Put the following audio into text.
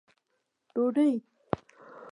ډوډۍ